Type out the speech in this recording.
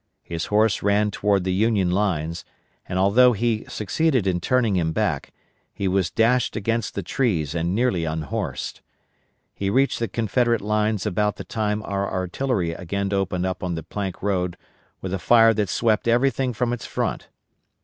His horse ran toward the Union lines, and although he succeeded in turning him back, he was dashed against the trees and nearly unhorsed. He reached the Confederate lines about the time our artillery again opened up on the Plank Road with a fire that swept everything from its front.